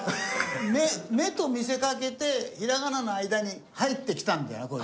「め」と見せかけてひらがなの間に入ってきたんだよなこいつ。